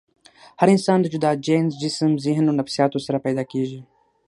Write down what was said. هر انسان د جدا جينز ، جسم ، ذهن او نفسياتو سره پېدا کيږي